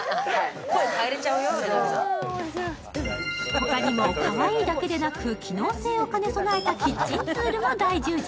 ほかにも、かわいいだけでなく機能性を兼ね備えたキッチンツールも大充実。